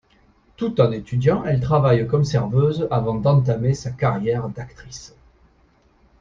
Tout en étudiant, elle travaille comme serveuse, avant d'entamer sa carrière d'actrice.